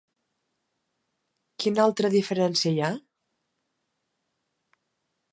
Quina altra diferència hi ha?